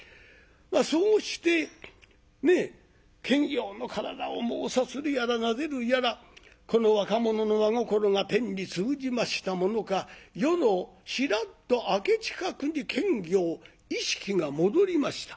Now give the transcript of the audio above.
そうして検校の体をさするやらなでるやらこの若者の真心が天に通じましたものか夜のしらっと明け近くに検校意識が戻りました。